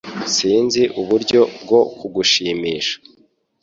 Sinzi uburyo bwo kugushimisha